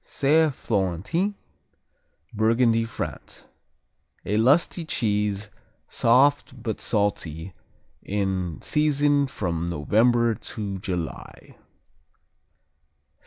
Saint Florentin Burgundy, France A lusty cheese, soft but salty, in season from November to July.